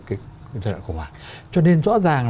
cái giai đoạn khủng hoảng cho nên rõ ràng